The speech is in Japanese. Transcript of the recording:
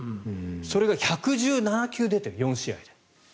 それが１１７球出てる４試合で。